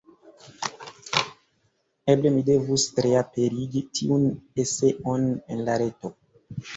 Eble mi devus reaperigi tiun eseon en la reto.